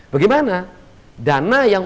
bagaimana dana yang